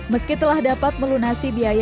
meski telah dapat melunasi biaya